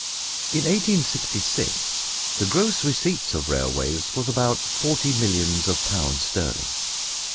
In 1866 the gross receipts of railways was about forty millions of pounds sterling.